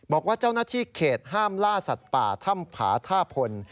บอกว่าเจ้าหน้าที่เขตห้ามล่าสัตว์ป่าถ้ำผาท่าพล